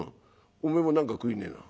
おめえも何か食いねえな」。